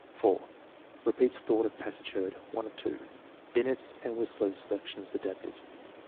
4. Repeats thought of passage heard. (1 of 2.) (Binet's and Wissler's selections adapted.)